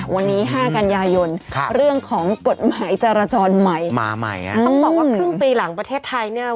วันนี้๕กัญญายนเรื่องของกฎหมายจรจรใหม่ต้องบอกว่าครึ่งปีหลังประเทศไทย